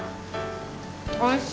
おいしい。